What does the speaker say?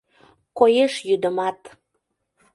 Коеш йӱдымат.